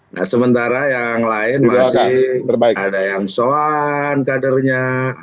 nah sementara yang lain masih ada yang soan kadernya